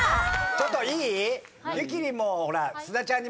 ちょっといい？